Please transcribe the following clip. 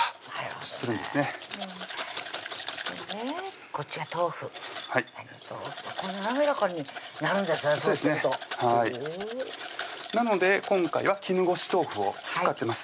そうするとほうなので今回は絹ごし豆腐を使ってます